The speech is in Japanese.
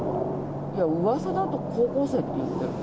うわさだと、高校生って言ってた。